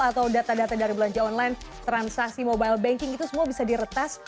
atau data data dari belanja online transaksi mobile banking itu semua bisa diretas